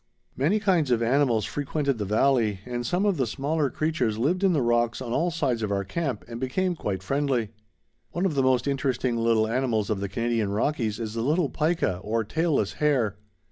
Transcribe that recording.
Many kinds of animals frequented the valley, and some of the smaller creatures lived in the rocks on all sides of our camp and became quite friendly. One of the most interesting little animals of the Canadian Rockies is the little pica, or tailless hare.